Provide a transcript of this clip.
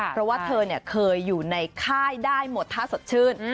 เพราะว่าเธอเคยอยู่ในค่ายได้หมดท่าสดชื่น